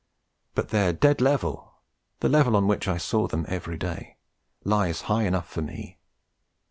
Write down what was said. But their dead level, the level on which I saw them every day, lies high enough for me.